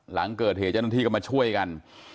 หลังเกิดเหตุเจ้าหน้าที่ก็มาช่วยกัน